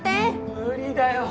無理だよ。